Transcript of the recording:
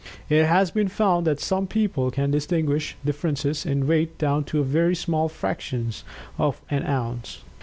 It has been found that some people can distinguish differences in weight down to very small fractions of an ounce.